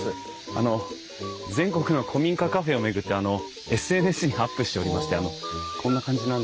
あの全国の古民家カフェを巡ってＳＮＳにアップしておりましてあのこんな感じなんですけど。